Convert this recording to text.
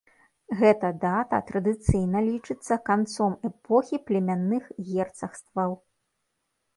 Гэта дата традыцыйна лічыцца канцом эпохі племянных герцагстваў.